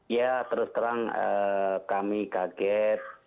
ya terus terang kami kaget